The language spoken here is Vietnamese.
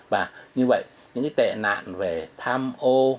và như vậy những cái tệ nạn về tham ô